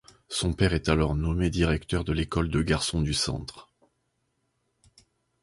Son père est alors nommé directeur de l’école de garçons du Centre.